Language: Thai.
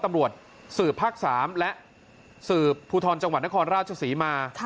ตำรวจสืบภาค๓และสืบภูทรจังหวัดนครราชศรีมา